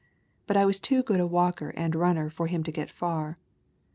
But I was too good a walker and runner for him to get far.